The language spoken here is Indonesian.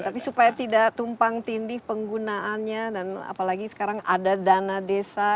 tapi supaya tidak tumpang tindih penggunaannya dan apalagi sekarang ada dana desa